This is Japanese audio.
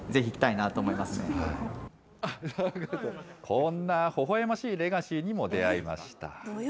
こんなほほえましいレガシーにも出会いました。